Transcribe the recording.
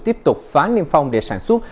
tiếp tục phá niêm phong để sản xuất